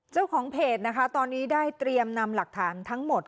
เจ้าของเพจนะคะตอนนี้ได้เตรียมนำหลักฐานทั้งหมด